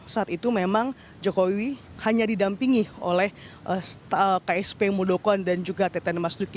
saat itu memang jokowi hanya didampingi oleh ksp muldoko dan juga teten mas duki